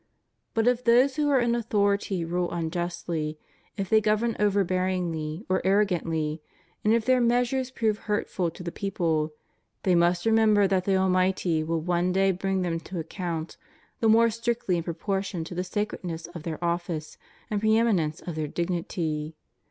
But if those who are in authority rule unjustly, if they govern overbearingly or arrogantly, and if their measures prove hurtful to the people, they must remember that the Almighty will one day bring them to account, the more strictly in proportion to the sacredness of their office and pre eminence of their dignity.